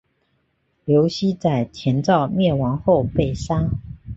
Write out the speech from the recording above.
刘熙在前赵灭亡后被杀。